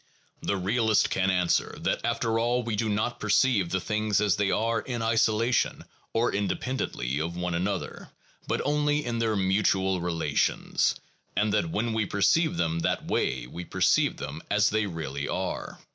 The realist can answer that after all we do not perceive the things as they are in isolation or independently of one another, but only in their mutual relations; and that when we perceive them that way we perceive them as they really are.